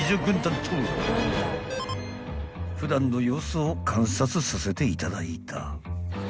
［普段の様子を観察させていただいた］